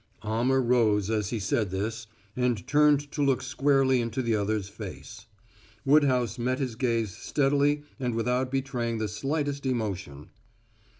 Almer rose as he said this and turned to look squarely into the other's face. Woodhouse met his gaze steadily and without betraying the slightest emotion.